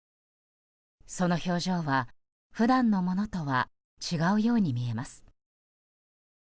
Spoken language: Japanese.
その表情は、普段のものとは違うように見えます。